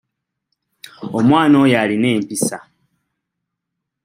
Omwana oyo alina empisa.